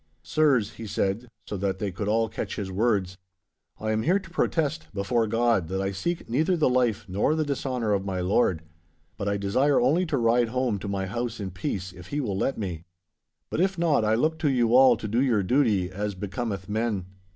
'Sirs,' he said, so that they could all catch his words, 'I am here to protest, before God, that I seek neither the life nor the dishonour of my lord. But I desire only to ride home to my house in peace, if he will let me. But if not, I look to you all to do your duty as becometh men.